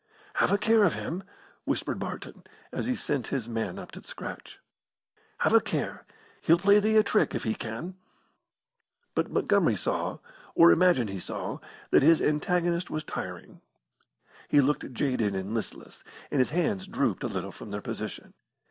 "Have a care of him!" whispered Barton, as he sent his man up to the scratch. "Have a care! He'll play thee a trick, if he can." But Montgomery saw, or imagined he saw, that his antagonist was tiring. He looked jaded and listless, and his hands drooped a little from their position.